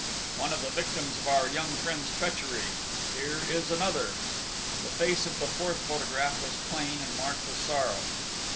"one of the victims of our young friend's treachery. Here is another." The face of the fourth photograph was plain, and marked with sorrow.